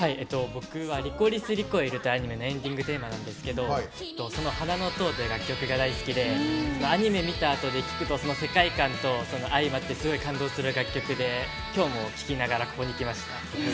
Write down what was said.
僕は「リコリス・リコイル」のエンディングテーマなんですけど「花の塔」という楽曲が大好きでアニメ見たあとで聴くと世界観と相まってすごい感動する楽曲で今日も聴きながらここに来ました。